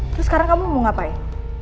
terus sekarang kamu mau ngapain